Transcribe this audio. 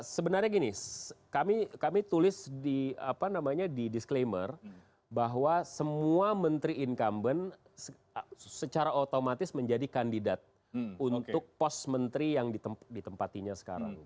sebenarnya gini kami tulis di disclaimer bahwa semua menteri incumbent secara otomatis menjadi kandidat untuk pos menteri yang ditempatinya sekarang